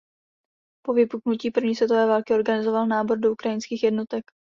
Po vypuknutí první světové války organizoval nábor do ukrajinských jednotek.